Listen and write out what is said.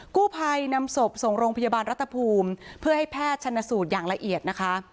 กู้ภัยนำศพส่งโรงพยาบาลรัฐภูมิเพื่อให้แพทย์ชนสูตรอย่างละเอียดนะคะ